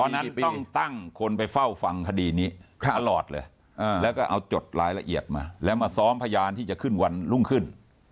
นั้นต้องตั้งคนไปเฝ้าฟังคดีนี้ตลอดเลยแล้วก็เอาจดรายละเอียดมาแล้วมาซ้อมพยานที่จะขึ้นวันรุ่งขึ้น